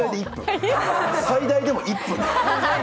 最大でも１分。